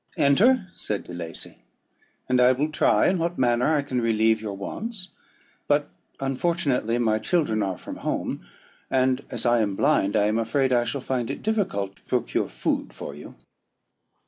"'Enter,' said De Lacey; 'and I will try in what manner I can relieve your wants; but, unfortunately, my children are from home, and, as I am blind, I am afraid I shall find it difficult to procure food for you.'